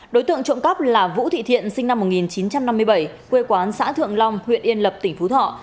đối tượng trộm cắp là vũ thị thiện sinh năm một nghìn chín trăm năm mươi bảy quê quán xã thượng long huyện yên lập tỉnh phú thọ